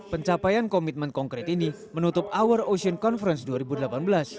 pencapaian komitmen konkret ini menutup hour ocean conference dua ribu delapan belas